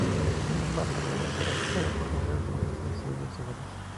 Sin embargo, luego de ser picada por una de las abejas, decidió observarlos.